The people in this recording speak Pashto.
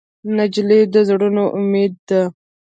نجلۍ د زړونو امید ده.